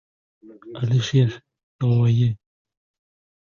Birovi olmaga qo‘l uzatdi.